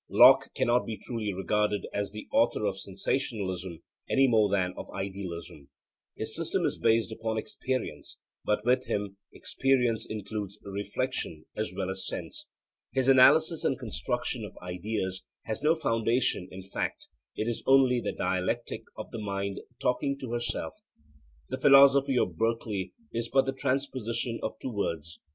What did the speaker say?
Locke cannot be truly regarded as the author of sensationalism any more than of idealism. His system is based upon experience, but with him experience includes reflection as well as sense. His analysis and construction of ideas has no foundation in fact; it is only the dialectic of the mind 'talking to herself.' The philosophy of Berkeley is but the transposition of two words.